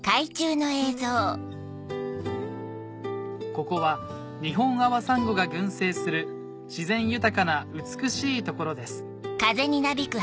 ここはニホンアワサンゴが群生する自然豊かな美しい所です